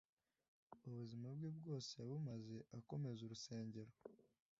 ubuzima bwe bwose yabumaze akomeza urusengero.